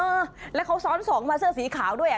เออแล้วเขาซ้อนสองมาเสื้อสีขาวด้วยอ่ะ